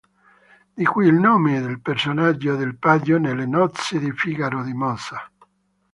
Di qui il nome del personaggio del paggio nelle "Nozze di Figaro" di Mozart.